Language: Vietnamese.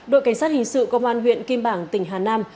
đội cảnh sát hình sự công an huyện kim bảng tỉnh hà nam